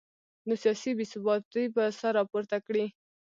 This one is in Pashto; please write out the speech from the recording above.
نو سیاسي بې ثباتي به سر راپورته کړي